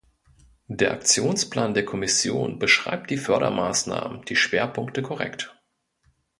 Der Aktionsplan der Kommission beschreibt die Fördermaßnahmen, die Schwerpunkte korrekt.